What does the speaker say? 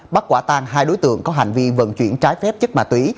bắt quả tan hai đối tượng có hành vi vận chuyển trái phép chất ma túy